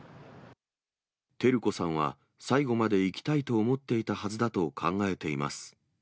照子さんは最後まで生きたいと思っていたはずだと考えています。